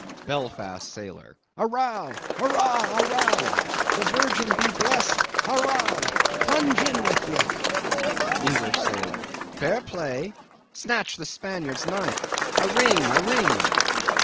BELFAST SAILOR. A row! arrah a row! The Virgin be blessed, a row! Plunge in with ye! ENGLISH SAILOR. Fair play! Snatch the Spaniard's knife! A ring, a ring!